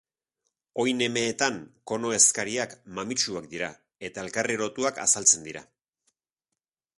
Oin emeetan kono-ezkatak mamitsuak dira eta elkarri lotuak azaltzen dira.